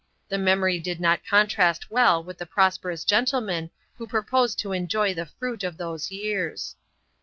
The memory did not contrast well with the prosperous gentleman who proposed to enjoy the fruit of those years.